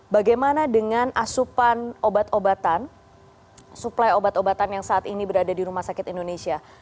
bagaimana dengan asupan obat obatan suplai obat obatan yang saat ini berada di rumah sakit indonesia